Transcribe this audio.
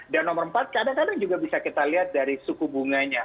dan nomor empat kadang kadang juga bisa kita lihat dari suku bunganya